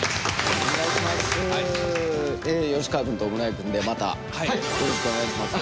吉川君と村井君でまたよろしくお願いします。